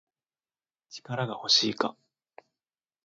力が欲しいか